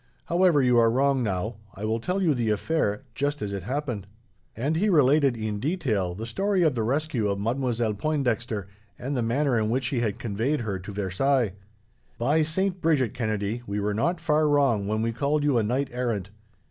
However, you are wrong now. I will tell you the affair, just as it happened." And he related, in detail, the story of the rescue of Mademoiselle Pointdexter, and the manner in which he had conveyed her to Versailles. "By Saint Bridget, Kennedy, we were not far wrong when we called you a knight errant.